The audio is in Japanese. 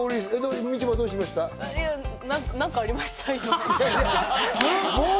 今、何かありました？